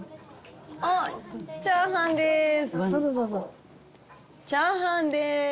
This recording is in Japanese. あっチャーハンです。